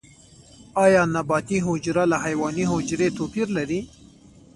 ایا نباتي حجره له حیواني حجرې توپیر لري؟